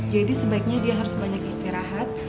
jadi sebaiknya dia harus banyak istirahat